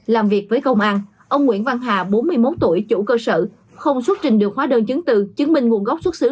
làm việc với công an ông nguyễn văn hà bốn mươi một tuổi chủ cơ sở không xuất trình được hóa đơn chứng từ chứng minh nguồn gốc xuất xứ